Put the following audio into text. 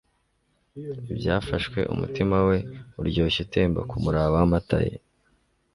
Kandi umutima we uryoshye utemba kumuraba wamata ye